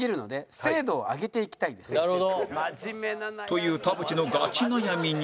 という田渕のガチ悩みに